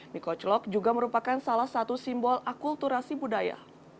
mie koclok juga merupakan salah satu simbol akulturasi budaya